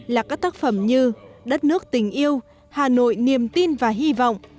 là các tác phẩm như đất nước tình yêu hà nội niềm tin và hy vọng